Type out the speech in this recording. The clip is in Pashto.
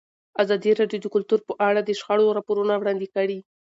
ازادي راډیو د کلتور په اړه د شخړو راپورونه وړاندې کړي.